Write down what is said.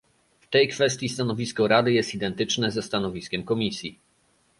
W tej kwestii stanowisko Rady jest identyczne ze stanowiskiem Komisji